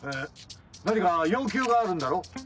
何か要求があるんだろう？